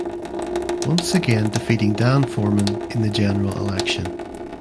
Once again defeating Dan Forman in the general election.